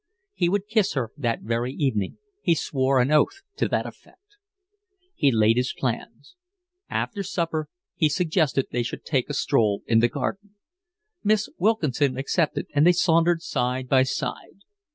He would kiss her that very evening. He swore an oath to that effect. He laid his plans. After supper he suggested that they should take a stroll in the garden. Miss Wilkinson accepted, and they sauntered side by side.